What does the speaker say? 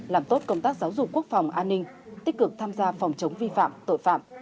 làm tốt công tác giáo dục quốc phòng an ninh tích cực tham gia phòng chống vi phạm tội phạm